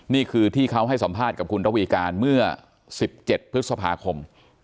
นี่คือที่เขาให้สัมภาษณ์กับคุณระวีการเมื่อ๑๗พฤษภาคม